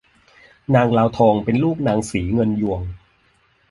นางลาวทองเป็นลูกนางศรีเงินยวง